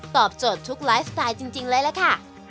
โจทย์ทุกไลฟ์สไตล์จริงเลยล่ะค่ะ